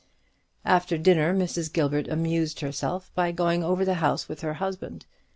After dinner Mrs. Gilbert amused herself by going over the house with her husband.